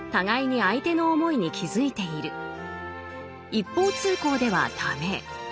一方通行では駄目。